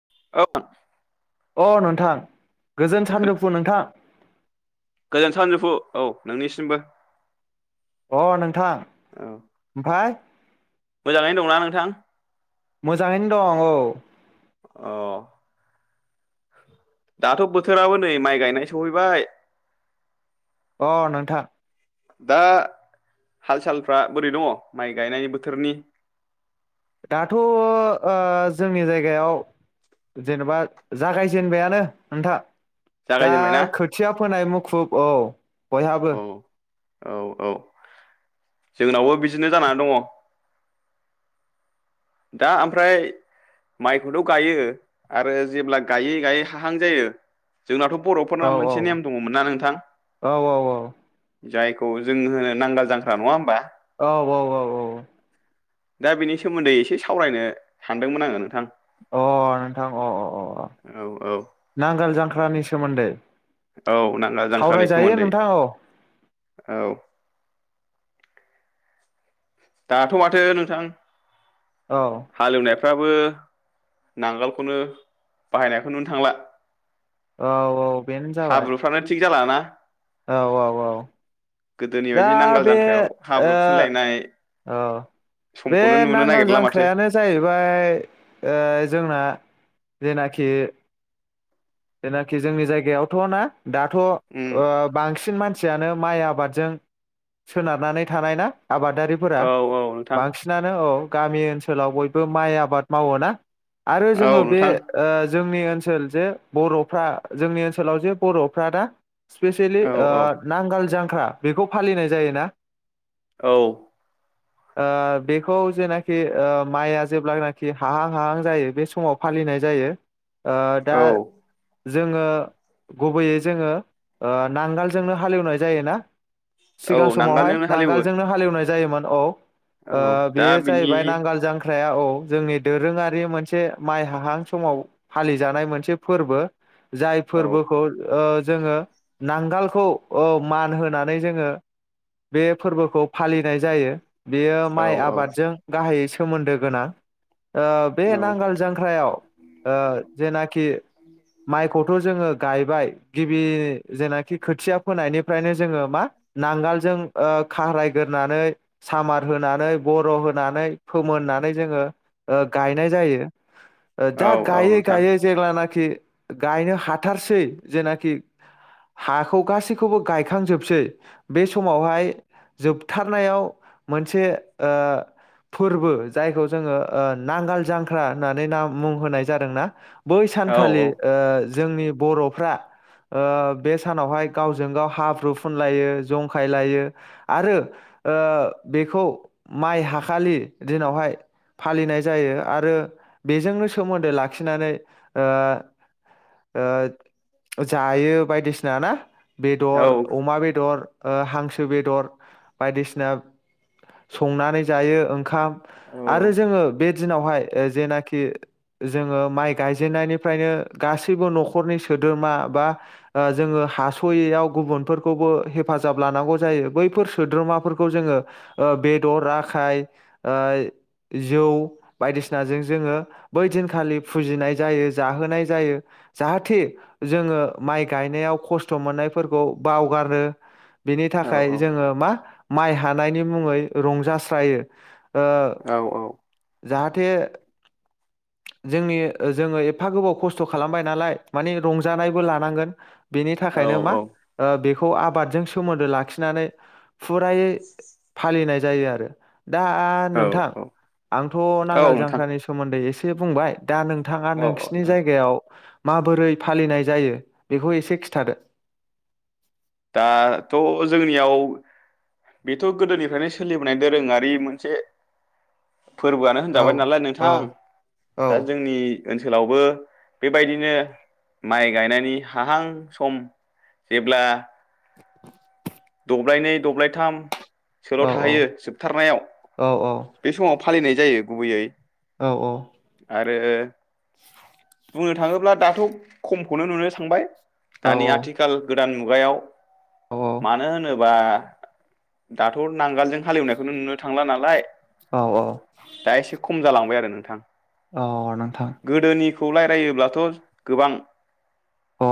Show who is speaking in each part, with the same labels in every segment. Speaker 1: [unintelligible]
Speaker 2: अ नोंथां। गोजोन
Speaker 1: खोनाबाय
Speaker 2: सानजौफु नोंथां।
Speaker 1: गोजोन सानजौफु औ नोंनिसिमबो
Speaker 2: अ नोंथां
Speaker 1: औ
Speaker 2: हाय!
Speaker 1: मोजाङैनो दंना नोंथां
Speaker 2: मोजाङैनो दं औ।
Speaker 1: अ दाथ' बोथोराबो नै माइ गायनाय सफैबाय
Speaker 2: अ नोंथां
Speaker 1: दा हाल सालफ्रा बोरै दङ माइ गायनाय बोथोरनि?
Speaker 2: दाथ' ओ जोंनि जायगायाव जेनेबा जागायजेनबायानो नोंथां। दा
Speaker 1: जागायजेनबायना
Speaker 2: खोथिया फोनाय मुख खुब औ बयहाबो
Speaker 1: औ औ औ जोंनावबो बिजिनो जानानै दङ। दा ओमफ्राय माइखौथ' गायो आरो जेब्ला गायै गायै हाहां जायो जोंनाथ' बर'फोरना
Speaker 2: औ औ
Speaker 1: मोनसे नेम दङमोन ना नोंथां
Speaker 2: औ औ
Speaker 1: जायखौ जों होनो नांगाल जांख्रा नङा होमबा?
Speaker 2: औ औ औ औ
Speaker 1: दा बिनि सोमोन्दै एसे सावरायनो सानदोंमोन आङो नोंथां
Speaker 2: अ नोंथां अ-अ-अ-अ।
Speaker 1: औ औ
Speaker 2: नांगोल जांख्रानि सोमोन्दै?
Speaker 1: औ नांगोल जांख्रानि
Speaker 2: सावरायजायो
Speaker 1: सोमोन्दै
Speaker 2: नोंथां औ
Speaker 1: औ दाथ' माथो नोंथां
Speaker 2: औ
Speaker 1: फ्राबो नांगालखौनो बाहायनायखौ नुनो थांला।
Speaker 2: औ औ बेनो जाबाय
Speaker 1: जाला ना
Speaker 2: औ औ औ
Speaker 1: गोदोनि
Speaker 2: दा
Speaker 1: बायदि नांगोल
Speaker 2: बे
Speaker 1: जांख्रायाव हाब्रु
Speaker 2: ओ
Speaker 1: फुनलायनाय
Speaker 2: औ बे
Speaker 1: समखौनो नुनो
Speaker 2: नांगोल
Speaker 1: नागिरला माथो
Speaker 2: जांख्रायानो जाहैबाय ओ जोंना जेनाखि जेनाखि जोंनि जायगायावथ' ना दाथ' ओ
Speaker 1: उम
Speaker 2: बांसिन मान मानसियानो माइ आबादजों सोनारनानै थानाय ना आबादारिफोरा
Speaker 1: औ औ नोंथां
Speaker 2: बांसिनानो औ गामि ओनसोलाव बयबो माइ आबाद मावोना आरो जोङो
Speaker 1: औ
Speaker 2: बे
Speaker 1: नोंथां
Speaker 2: ओ जोंनि ओनसोल जे बर'फ्रा जोंनि ओनसोलाव जे बर'फ्रा दा स्पेसियेलि
Speaker 1: औ
Speaker 2: ओ
Speaker 1: औ
Speaker 2: नांगाल जां ख्रा बेखौ फालिनाय जायोना
Speaker 1: औ
Speaker 2: ओ बेखौ जेनाखि ओ माइआ जेब्लानाखि हाहां हाहां जायो बे समाव फालिनाय जायो ओ दा
Speaker 1: औ
Speaker 2: जोङो गुबैयै जोङो ओ नांगोलजोंनो हालेवनाय जायोना?
Speaker 1: औ
Speaker 2: सिगां समावहाय
Speaker 1: नांगोलजोंनो हालेवो
Speaker 2: नांगोलजोंनो हालेवनाय जायोमोन औ ओ
Speaker 1: औ दा
Speaker 2: बेयो
Speaker 1: बिनि
Speaker 2: जाहैबाय नांगोल जांख्रा ख्राया औ जोंनि दोरोङारि मोनसे माइ हाहां समाव फालि जानाय मोनसे फोरबो जाय
Speaker 1: औ
Speaker 2: फोरबोखौ ओ जोङो नांगालखौ ओ मान होनानै जोङो बे फोरबोखौ फालिनाय जायो बेयो
Speaker 1: औ
Speaker 2: माइ
Speaker 1: औ
Speaker 2: आबादजों गाहायै सोमोन्दो गोनां ओ बे
Speaker 1: औ
Speaker 2: नांगाल जांख्रायाव ओ जेनाखि माइखौथ' जोङो गायबाय गिबि जेनाखि खोथिया फोनायनिफ्रायनो जोङो मा नांगोलजों ओ खारायगोरनानै सामार होनानै बर' होनानै फोमोननानै जोङो ओ गायनाय जायो । ओ
Speaker 1: औ
Speaker 2: जा
Speaker 1: औ
Speaker 2: गायै
Speaker 1: नोंथां
Speaker 2: गायै जेब्ला ना खि गायनो हाथारसै जेनाखि हाखौ गासैखौबो गायखांजोबसै बे समावहाय जोबथारनायाव मोनसे ओ फोरबो जायखौ जोङो ओ नांगाल जांख्रा होननानै ना मुं होनाय जादोंना बै
Speaker 1: औ
Speaker 2: सानखालि
Speaker 1: औ औ
Speaker 2: ओ जोंनि बर'फ्रा ओ बे सानावहाय गावजों गाव हाब्रु फुनलायो जंखायलायो आरो ओ बेखौ माइ हाखालि दिनावहाय फालिनाय जायो आरो बेजोंनो सोमोन्दो लाखिनानै ओ ओ जायो बायदिसिना ना?
Speaker 1: औ
Speaker 2: बेदर अमा बेदर ओ हांसो बेदर बायदिसिना संनानै जायो ओंखाम आरो जोङो बे दिनावहाय जेनाखि जोङो माइ गायजेननायनिफ्रायनो गासैबो न'खरनि सोद्रोमा बा ओ जोङो हास'यैयाव गुबुनफोरखौबो हेफाजाब लानांगौ जायो बैफोर सोद्रोमाफोरखौ जोङो ओ बेदर आखाय ओ जौ बायदिसिनाजों जोङो बै दिनखालि फुजिनाय जायो जाहोनाय जा जायो जाहाथे जोङो माइ गायनायाव खस्थ' मोननायफोरखौ बावगारो बेनि थाखाय
Speaker 1: औ
Speaker 2: जोङो मा माइ हानायनि मुङै रंजास्रायो ।
Speaker 1: औ
Speaker 2: ओ जाहाथ दो जोंनि जोङो एफा गोबाव खस्थ' खालामबाय नालाय मानि रंजानायबो लानांगोन । बेनि थाखायनो मा
Speaker 1: औ औ
Speaker 2: ओ बे खौ आबादजों सोमोन्दो लाखिनानै फुरायै फालिनाय जायो आरो दा
Speaker 1: औ
Speaker 2: नोंथां
Speaker 1: औ
Speaker 2: आंथ'
Speaker 1: औ
Speaker 2: नांगाल
Speaker 1: नोंथां
Speaker 2: जांख्रानि सोमोन्दै एसे से बुंबाय दा नोंथाङा
Speaker 1: औ औ
Speaker 2: नोंसिनि
Speaker 1: नोंथां
Speaker 2: जायगायाव माबोरै फालिनाय जायो बेखौ एसे खिथादो
Speaker 1: दाथ' जोंनियाव बेथ' गोदोनिफ्रायनो सोलिबोनाय दोरोङारि मोनसे फोरबोआनो
Speaker 2: औ
Speaker 1: होनजाबाय नालाय
Speaker 2: औ
Speaker 1: नोंथां
Speaker 2: औ
Speaker 1: दा जोंनि ओनसोलावबो बेबायदिनो माइ गायनायनि हाहां सम जेब्ला दब्लायनै दब्लायथाम सोल'
Speaker 2: औ
Speaker 1: थाहैयो जोबथारनायाव
Speaker 2: औ
Speaker 1: बे समाव फालिनाय जायो गुबैयै ।
Speaker 2: औ औ
Speaker 1: आरो बुंनो थाङोब्ला दाथ' खमखौनो नुनो थांबाय दानि
Speaker 2: औ
Speaker 1: आथिखाल गोदान मुग गायाव
Speaker 2: औ
Speaker 1: मानो होनो बा दाथ' नांगोलजों हालेवनायखौनो नुनो थांला नालाय
Speaker 2: औ औ
Speaker 1: दा एसे खम जालांबाय आरो नोंथां
Speaker 2: औ नोंथां
Speaker 1: खौ रायलायोब्लाथ' गोबां
Speaker 2: अ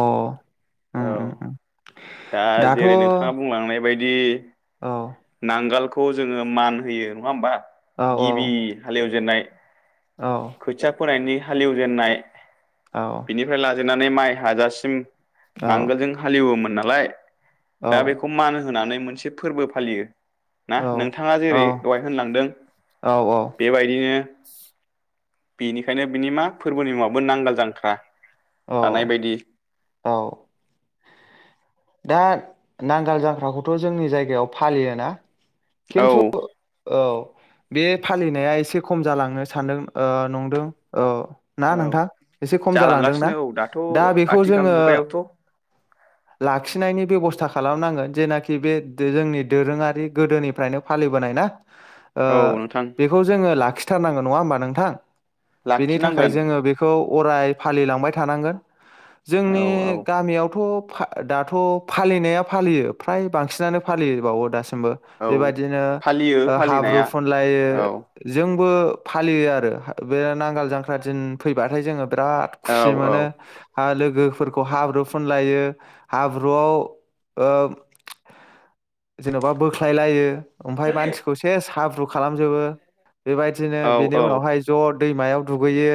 Speaker 2: उम
Speaker 1: औ
Speaker 2: उम उम
Speaker 1: दा
Speaker 2: दाथ' औ
Speaker 1: जेरै नोंथाङा बुंलांनाय बायदि
Speaker 2: औ
Speaker 1: नांगोलखौ खौ जोङो मान होयो नङा होमबा
Speaker 2: औ
Speaker 1: ।
Speaker 2: औ
Speaker 1: गिबि हाल एवजेन जेननाय
Speaker 2: औ
Speaker 1: खोथिया फोनायनि हालेवजेननाय
Speaker 2: औ
Speaker 1: बिनिफ्राय ला जेननानै माइ हाजासिम
Speaker 2: औ
Speaker 1: नांगोलजों हालेवोमोन ना लाय दा बेखौ मान होनानै मोनसे फोरबो फालियो ना नोंथाङा जेरै
Speaker 2: औ
Speaker 1: दहाय होनलांदों
Speaker 2: औ
Speaker 1: बेबायदिनो बेनिखायनो बिनि मा फोरबोनि मुङाबो नांगोल जांख्रा
Speaker 2: औ
Speaker 1: थानाय बायदि
Speaker 2: औ दा नांगोल जांख्राखौथ' जोंनि जायगायाव फालियोना?
Speaker 1: औ
Speaker 2: खिन्थु औ बे फालिनाया एसे खम जालांनो सानदों ओ नंदों औ । ना
Speaker 1: औ
Speaker 2: नोंथां एसे खम जालांदोंना
Speaker 1: जालांगासिनो औ दाथ'
Speaker 2: दा बेखौ
Speaker 1: आथिखाल
Speaker 2: जोङो
Speaker 1: मुगायावथ' औ
Speaker 2: लाखिनायनि बेब'स्था खालामनांगोन जेनाखि बे दोरोंनि जोंनि दोरोङारि गोदोनिफ्रायनो फालिबोनाय ना ओ
Speaker 1: नोंथां
Speaker 2: बेखौ जोङो लाखि थारनांगोन नङा होमबा नोंथां? बेनि थाखाय
Speaker 1: लाखिनांगोन
Speaker 2: जोङो बेखौ अराय फालिलांबाय थानांगोन ।
Speaker 1: औ
Speaker 2: जोंनि
Speaker 1: औ
Speaker 2: गामियावथ' फा दाथ' फालिनाया फालियो फ्राय बांसिनानो फालियोबावो दासिम बो
Speaker 1: औ
Speaker 2: बेबायदिनो
Speaker 1: फालियो
Speaker 2: हाब्रु
Speaker 1: फालिनाया
Speaker 2: फोनलायो
Speaker 1: औ
Speaker 2: जोब बो फालियो आरो बे नांगाल जांख्रा दिन फैबाथाय जोङो बिराद
Speaker 1: औ
Speaker 2: खुसि
Speaker 1: औ
Speaker 2: मोनो आरो लोगोफोरखौ हाब्रु फुनलायो हाब्रुआव ओ जेन'बा बोख्लाय लायो । ओमफ्राय मानसि बेस हाब्रु खालामजोबो बेबायदिनो
Speaker 1: औ
Speaker 2: बेनि
Speaker 1: औ
Speaker 2: उनाव हाय ज' दैमायाव दुगैयो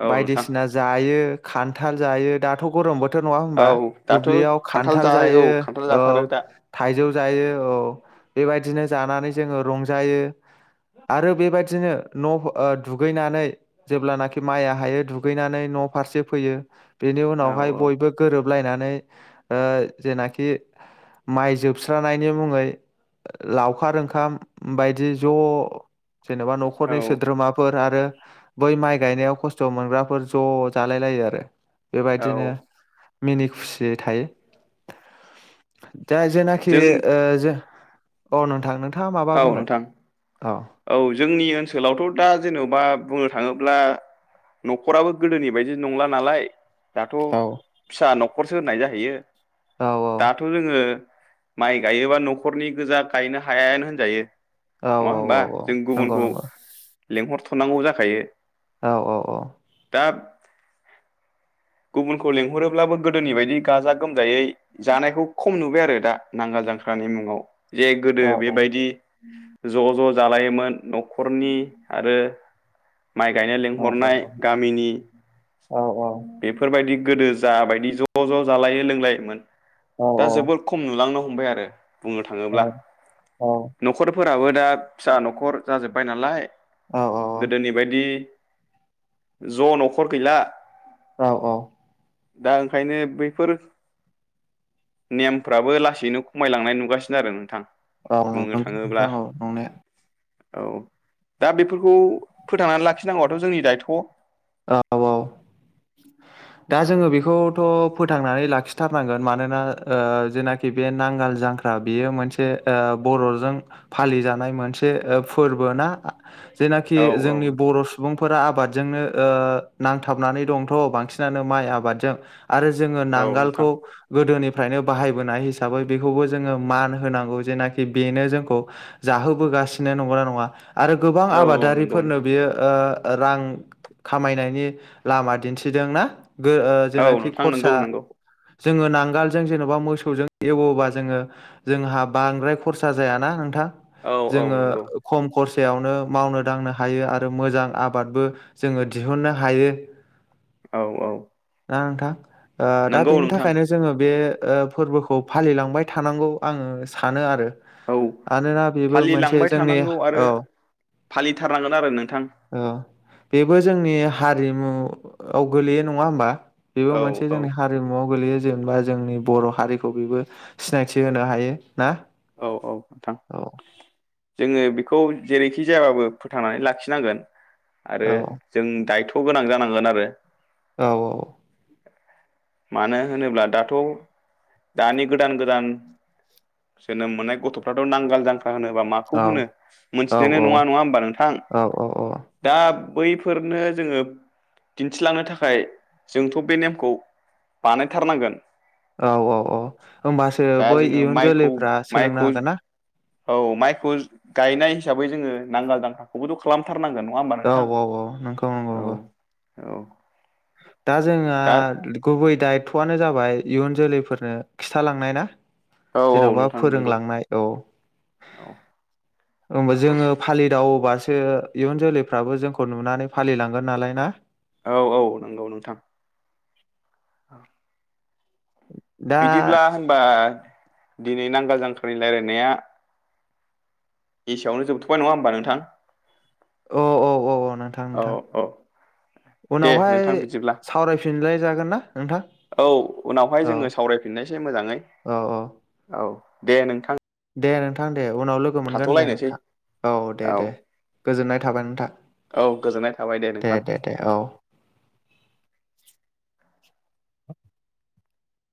Speaker 1: औ नोंथां
Speaker 2: बायदिसिना जायो खान्थाल जायो दाथ' गरम बोथोर नङा होनबा
Speaker 1: औ दाथ'
Speaker 2: दुब्लिआव
Speaker 1: खान्थाल
Speaker 2: खानथाल जायो
Speaker 1: औ खान्थाल
Speaker 2: ओ
Speaker 1: जाथारो दा
Speaker 2: थायजौ जायो औ बेबायदिनो जानानै जोङो रंजायो आरो बेबायदिनो न' ओ दुगैनानै जेब्लानाखि माइआ हायो दुगैनानै न' फारसे फैयो । बेनि
Speaker 1: औ
Speaker 2: उनावहाय
Speaker 1: औ
Speaker 2: बयबो गोरोब लायनानै ओ जे ना खि माइ जोबस्रानायनि मुङै लाव खार ओंखाम बायदि ज' जेनेबा
Speaker 1: औ
Speaker 2: न'खरनि सोद्रोमाफोर आरो बै माइ गायनायाव खस्थ' मोनग्राफोर ज' जालायलायो आरो
Speaker 1: औ
Speaker 2: बेबायदिनो मिनि खुसियै थायो । दा जेनाखि
Speaker 1: जों
Speaker 2: ओ ज अ नों [inaudible]
Speaker 1: औ नोंथां औ जोंनि ओनसोलावथ' दा जेन'बा बुंनो थाङोब्ला न'खराबो गोदोनि बायदि नंला नालाय दाथ'
Speaker 2: औ
Speaker 1: फिसा न'ख खरसो होनाय जाहैयो
Speaker 2: औ
Speaker 1: दाथ' जोङो माइ गायोबा न'खरनि गोजा गायनो हायानो होन जायो
Speaker 2: औ
Speaker 1: नङा
Speaker 2: औ
Speaker 1: होमबा?
Speaker 2: औ औ
Speaker 1: जों
Speaker 2: नंगौ
Speaker 1: गुबुनखौ
Speaker 2: नंगौ
Speaker 1: लेंहरथ'नांगौ जाखायो
Speaker 2: औ औ औ
Speaker 1: दा गुबुनखौ लेंंहरोब्लाबो गोदोनि बायदि गाजा गोमजायै जानायखौ खम नुबाय आरो दा नांगाल जांख्रानि मुङाव । जे गोदो
Speaker 2: औ
Speaker 1: बेबायदि ज' ज' जा लायोमोन न' खरनि आरो माइ गायनो
Speaker 2: औ औ
Speaker 1: लिंहरनाय गामिनि
Speaker 2: औ
Speaker 1: बेफोरबायदि गोदो जाबायदि ज' ज' जालायो लोंलायोमोन
Speaker 2: औ
Speaker 1: दा जोबोद खम नुलांनो हम हमबाय आरो बुंनो थाङोब्ला न'खरफोराबो दा फिसा न'खर जाजोब्बाय नालाय बिदि ज' न'खर गैला
Speaker 2: औ औ
Speaker 1: दा ओंखायनो बैफोर नेमफ्राबो लासैनो खमायलांनाय नुगासिनो आरो नोंथां ।
Speaker 2: औ नों [unintelligible] औ नंनाया
Speaker 1: औ दा बेफोरखौ फोथांनानै लाखिनांगौआथ' जोंनि दायथ'
Speaker 2: औ औ दा जोङो बेखौथ' फोथांनानै लाखिथारनांगोन मानोना ओ जेनाखि बे नांगाल जांख्रा बेयो मोनसे ओ बर'जों फालिजानाय मोनसे ओ फोरबो ना जेनाखि
Speaker 1: औ
Speaker 2: जोंनि
Speaker 1: नोंथां
Speaker 2: बर' सुबुंफोरा आबाद जोंनो ओ नांथाबनानै दंथ' बांसिनानो माइ आबादजों आरो जोङो
Speaker 1: औ नोंथां
Speaker 2: नांगालखौ गोदोनि फ्रायनो बाहायबोनाय हिसाबै बेखौबो जोङो मान होनांगौ जेनाखि बेनो जोंखौ जाहोबोगासिनो नंगौना नङा आरो गोबां
Speaker 1: औ औ नंगौ
Speaker 2: आबादारिफोरनो
Speaker 1: नोंथां
Speaker 2: बियो ओ रां खामायनायनि लामा दिन्थिदों ना? गो ओ
Speaker 1: औ
Speaker 2: जेनाखि
Speaker 1: नोंथां नंगौ
Speaker 2: खरसा
Speaker 1: नंगौ
Speaker 2: जोङो नांगोलजों जेन'बा मोसौजों एवोबा जोङो जोंहा बांद्राय खरसा जायाना नोंथां?
Speaker 1: औ औ
Speaker 2: जोङो
Speaker 1: नंगौ
Speaker 2: खम खर सायावनो मावनो दांनो हायो आरो मोजां आबादबो जोङो दिहुननो हायो।
Speaker 1: औ औ
Speaker 2: ना नोंथां? ओ दा
Speaker 1: नंगौ
Speaker 2: बेनि
Speaker 1: नोंथां
Speaker 2: थाखायनो जोङो बे ओ फोरबोखौ फालिलांबाय थानांगौ आङो सानो आरो
Speaker 1: औ
Speaker 2: मानोना बेबो मोनसे
Speaker 1: फालिलांबाय
Speaker 2: जोंनि
Speaker 1: थानांगौ आरो
Speaker 2: औ
Speaker 1: फालिथारनांगोन आरो नोंथां ।
Speaker 2: औ बेबो जोंनि हारिमुआव गोलैयो नङा होमबा? बेबो
Speaker 1: औ
Speaker 2: मोनसे
Speaker 1: औ
Speaker 2: जोंनि हारिमुआव गोलैयो जेनेबा जोंनि बर' हारिखौ बेबो सिनायथि होनो हायो ।
Speaker 1: औ औ थां। जोङो बेखौ जेरैखि जायाबाबो फोथांनानै लाखिनांगोन। आरो
Speaker 2: औ
Speaker 1: जों दायथ' खौ गोनां जानांगोन आरो
Speaker 2: औ औ
Speaker 1: मानो होनोब्ला दाथ' दानि गोदान गोदान जोनोम मोननाय गथ'फ्राथ' नांगोल जांख होनोबा माखौ
Speaker 2: औ
Speaker 1: होनो
Speaker 2: औ
Speaker 1: मोनथिनायनो नङा नङा होमबा नोंथां
Speaker 2: औ औ
Speaker 1: दा बैफोरनो जोङो दिन्थिलांनो थाखाय जोंथ' बे नेमखौ बानायथारनांगोन।
Speaker 2: औ औ औ होमबासो
Speaker 1: दा
Speaker 2: बै
Speaker 1: जोङो
Speaker 2: इयुन
Speaker 1: माइखौ
Speaker 2: जोलैफ्रा सोलोंनो
Speaker 1: माइखौ
Speaker 2: हागोन ना
Speaker 1: औ माइखौ गायनाय हिसाबै जोङो नांगोल दांख्राखौबोथ' खालामथार
Speaker 2: औ औ औ नंगौ नंगौ
Speaker 1: औ
Speaker 2: नंगौ
Speaker 1: औ
Speaker 2: दा जोंहा
Speaker 1: दा
Speaker 2: गुबै दायथ' थआनो जाबाय इयुन जोलैफोरनो खिथालांनाय ना?
Speaker 1: औ औ
Speaker 2: जेन'बा
Speaker 1: नोंथां नंगौ
Speaker 2: फोरोंलांनाय औ
Speaker 1: औ
Speaker 2: होनबा जोङो फालिदावोबासो सो इयुन जोलैफ्राबो जोंखौ नुनानै फालिलांगोन नालाय ना?
Speaker 1: औ औ नंगौ नोंथां औ
Speaker 2: दा
Speaker 1: बिदिब्ला होनबा दिनै नांगाल जांख्रानि लायरायनाया एसे आवनो जोबथ'बाय नङा होमबा नोंथां?
Speaker 2: औ-औ-औ-औ
Speaker 1: औ
Speaker 2: नोंथां-नोंथां
Speaker 1: औ दे
Speaker 2: उनावहाय
Speaker 1: नोंथां बिदिब्ला
Speaker 2: सावरायफिनलाय जागोन ना? नोंथां
Speaker 1: औ उनावहाय
Speaker 2: औ
Speaker 1: जोङो सावरायफिननायसै मोजाङै
Speaker 2: औ औ
Speaker 1: औ। दे नोंथां
Speaker 2: दे नोंथां दे। उनाव लोगो मोनगोन दे
Speaker 1: थाथ'लायनोसै
Speaker 2: नोंथां औ दे दे गोजोननाय थाबाय नोंथां
Speaker 1: औ गोजोननाय थाबाय
Speaker 2: दे
Speaker 1: नोंथां
Speaker 2: दे दे औ